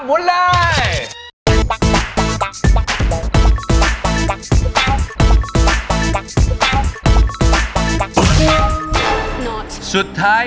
พี่ฟองอีก๑ดวงดาว